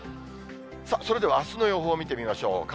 それではあすの予報を見てみましょう。